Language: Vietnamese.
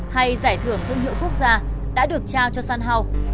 hay giải thưởng thương hiệu quốc gia đã được trao cho săn hào